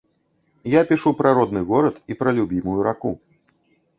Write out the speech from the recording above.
Я пішу пра родны горад і пра любімую раку.